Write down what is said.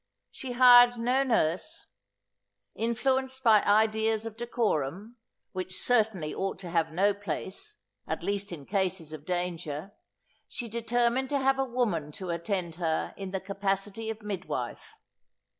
She hired no nurse. Influenced by ideas of decorum, which certainly ought to have no place, at least in cases of danger, she determined to have a woman to attend her in the capacity of midwife.